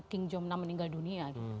king jomnam meninggal dunia